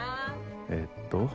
ええっと。